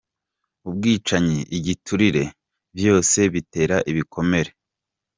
Ubwicanyi, igiturire - vyose bitera ibikomere".